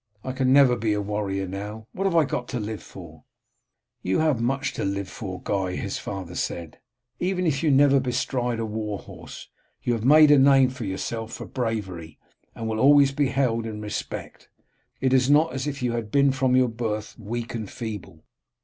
"I can never be a warrior now. What have I got to live for?" "You have much to live for, Guy," his father said, "even if you never bestride a war horse. You have made a name for yourself for bravery, and will always be held in respect. It is not as if you had been from your birth weak and feeble.